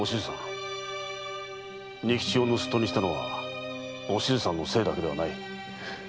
仁吉を盗っ人にしたのはお静さんのせいだけではない。